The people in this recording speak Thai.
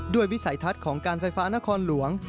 วิสัยทัศน์ของการไฟฟ้านครหลวง